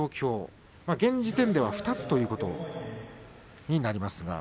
現時点では２つということになります。